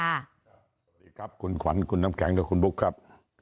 สวัสดีครับคุณขวัญคุณน้ำแข็งและคุณบุ๊คครับ